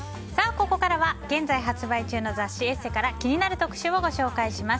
ここかはら現在発売中の雑誌「ＥＳＳＥ」から気になる特集をご紹介します。